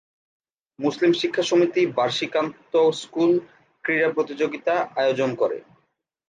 মুসলিম শিক্ষা সমিতি বার্ষিক আন্তঃ স্কুল ক্রীড়া-প্রতিযোগিতা আয়োজন করে।